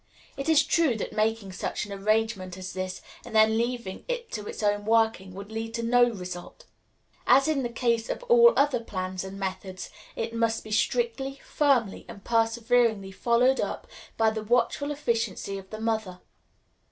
It is true, that making such an arrangement as this, and then leaving it to its own working, would lead to no result. As in the case of all other plans and methods, it must be strictly, firmly, and perseveringly followed up by the watchful efficiency of the mother.